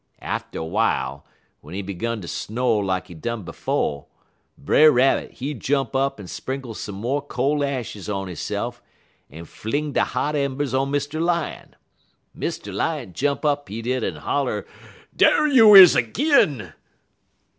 Atter w'ile, w'en he 'gun ter sno' lak he done befo', Brer Rabbit, he jump up en sprinkle some mo' cole ashes on hisse'f, en fling de hot embers on Mr. Lion. Mr. Lion jump up, he did, en holler: "'Dar yo is 'g'in!'